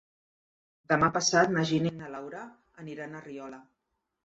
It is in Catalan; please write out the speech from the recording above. Demà passat na Gina i na Laura aniran a Riola.